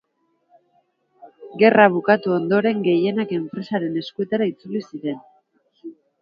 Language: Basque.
Gerra bukatu ondoren gehienak enpresaren eskuetara itzuli ziren.